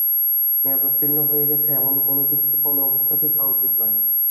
মেয়াদোত্তীর্ণ হয়ে গেছে এমন কোনো কিছু কোনো অবস্থাতেই খাওয়া উচিত নয়।